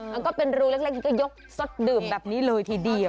แล้วก็เป็นรูเล็กก็ยกสดดื่มแบบนี้เลยทีเดียว